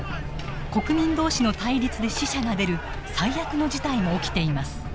国民同士の対立で死者が出る最悪の事態も起きています。